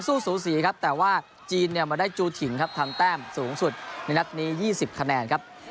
สูสีครับแต่ว่าจีนเนี่ยมาได้จูถิ่นครับทำแต้มสูงสุดในนัดนี้๒๐คะแนนครับ